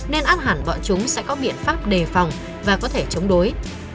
nên ác hẳn bọn chúng sẽ có biện pháp đề phòng và có thể chống đối